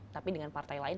tapi dengan partai lain